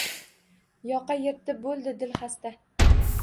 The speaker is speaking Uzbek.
Yoqa yirtib boʼldi dilxasta.